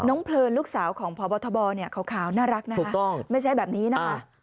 เพลินลูกสาวของพบทบเนี่ยขาวน่ารักนะคะไม่ใช่แบบนี้นะคะ